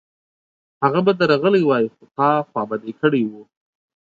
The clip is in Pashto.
هغه به درغلی وای، خو تا خوابدی کړی و